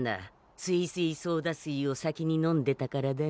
すいすいソーダ水を先に飲んでたからだね。